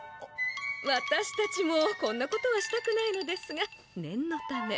わたしたちもこんなことはしたくないのですがねんのため。